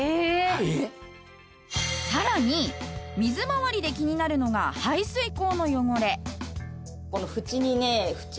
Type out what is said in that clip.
さらに水回りで気になるのが排水口の汚れ。